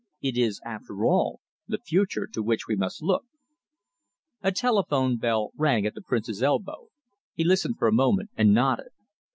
It is, after all, the future to which we must look." A telephone bell rang at the Prince's elbow. He listened for a moment and nodded.